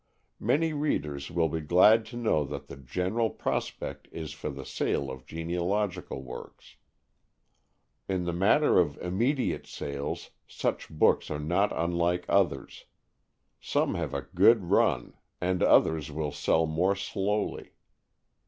Many readers will be glad to know what the general prospect is for the sale of genealogical works. In the matter of immediate sales, such books are not unlike others: some have a good run and others sell more slowly.